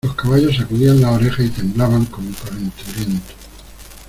los caballos sacudían las orejas y temblaban como calenturientos.